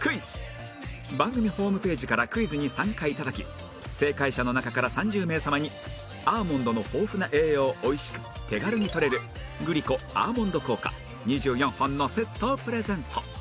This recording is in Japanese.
番組ホームページからクイズに参加頂き正解者の中から３０名様にアーモンドの豊富な栄養を美味しく手軽にとれるグリコアーモンド効果２４本のセットをプレゼント